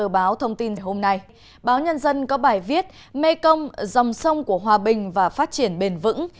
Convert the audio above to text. báo nhân dân có bài viết mê công dòng sông của hòa bình và phát triển bền vững